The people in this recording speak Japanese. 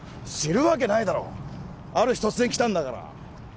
知るわけないだろうある日突然来たんだから